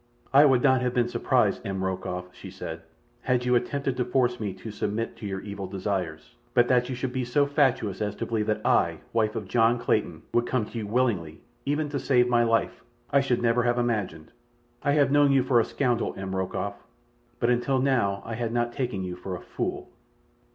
"I would not have been surprised, M. Rokoff," she said, "had you attempted to force me to submit to your evil desires, but that you should be so fatuous as to believe that I, wife of John Clayton, would come to you willingly, even to save my life, I should never have imagined. I have known you for a scoundrel, M. Rokoff; but until now I had not taken you for a fool."